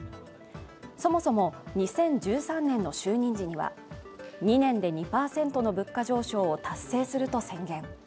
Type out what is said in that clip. そもそも２０１３年の就任時には２年で２％の物価上昇を達成すると宣言。